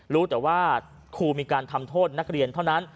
รู้แต่ว่าครูมีการทำโทษนักเรียนเท่านั้น